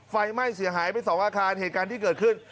ไฟไหม้เสียหายไปสองอาคารเหตุการณ์ที่เกิดขึ้น